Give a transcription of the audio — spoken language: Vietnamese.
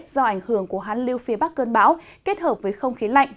do ảnh hưởng của hán lưu phía bắc cơn bão kết hợp với không khí lạnh